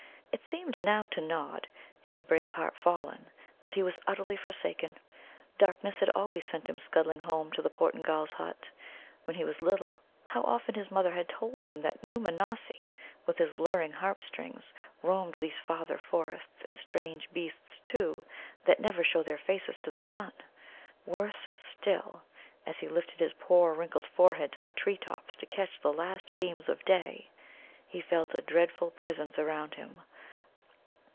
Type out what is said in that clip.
It seemed now to Nod, his brave heart fallen, that he was utterly forsaken. Darkness had always sent him scuttling home to the Portingal's hut when he was little. How often his mother had told him that Nōōmanossi with his luring harp strings roamed these farther forests, and strange beasts, too, that never show their faces to the sun! Worse still, as he lifted his poor wrinkled forehead to the tree tops to catch the last beams of day, he felt a dreadful presence around him.